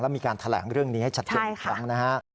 และมีการแถลงเรื่องนี้ให้ชัดเจนครั้งนะครับ